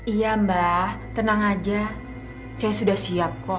iya mbak tenang aja saya sudah siap kok